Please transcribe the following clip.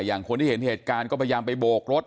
อย่างที่เห็นเหตุการณ์ก็พยายามไปโบกรถ